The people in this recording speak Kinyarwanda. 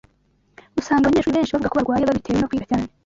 Usanga abanyeshuri benshi bavuga ko barwaye babitewe no kwiga cyane